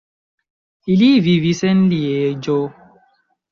Ili vivis en Lieĝo.